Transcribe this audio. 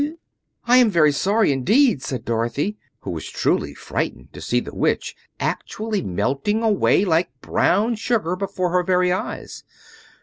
"I'm very sorry, indeed," said Dorothy, who was truly frightened to see the Witch actually melting away like brown sugar before her very eyes.